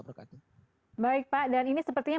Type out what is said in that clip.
wabarakatuh baik pak dan ini sepertinya